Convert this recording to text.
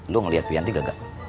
lu ngeliat bianti gak